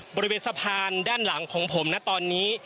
บริเวณสะพานด้านหลังของผมนะตอนนี้